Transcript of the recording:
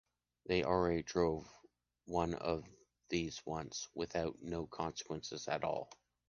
They already drove one of these once, without no consequences at all.